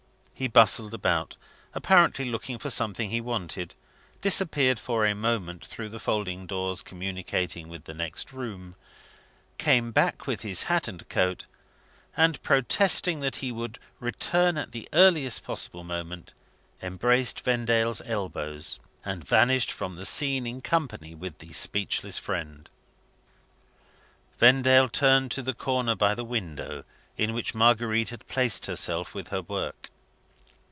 He bustled about, apparently looking for something he wanted, disappeared for a moment through the folding doors communicating with the next room, came back with his hat and coat, and protesting that he would return at the earliest possible moment, embraced Vendale's elbows, and vanished from the scene in company with the speechless friend. Vendale turned to the corner by the window, in which Marguerite had placed herself with her work.